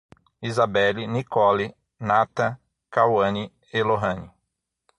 Izabeli, Nicolle, Nata, Cauani e Lorrany